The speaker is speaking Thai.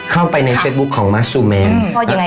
เข้าไปในเฟซบุ๊กไหมฮะ